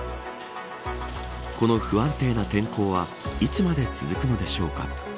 この不安定な天候はいつまで続くのでしょうか。